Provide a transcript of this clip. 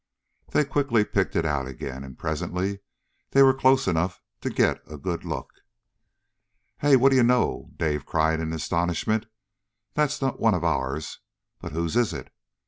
They quickly picked it out again, and presently they were close enough to get a good look. "Hey, what do you know!" Dave cried in astonishment. "That's not one of ours, but whose is it?